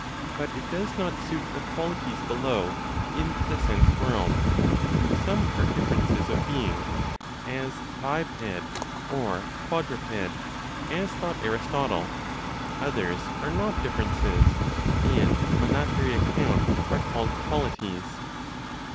But it does not suit the qualities below (in the sense world); some are differences of being, as biped, or quadruped (as thought Aristotle); others are not differences, and on that very account are called qualities.